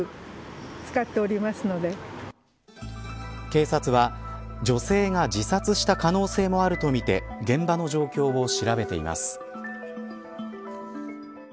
警察は、女性が自殺した可能性もあるとみて現場の状況を調べています。